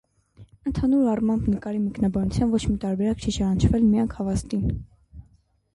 Ընդհանուր առմամբ, նկարի մեկնաբանության ոչ մի տարբերակ չի ճանաչվել միակ հավաստին։